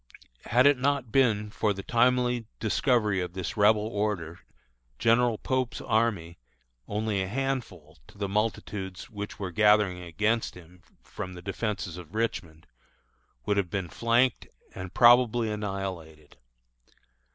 Had it not been for the timely discovery of this Rebel order, General Pope's army, only a handful to the multitudes which were gathering against him from the defences of Richmond, would have been flanked and probably annihilated.